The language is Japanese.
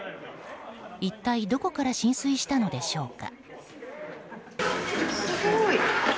一体どこから浸水したのでしょうか。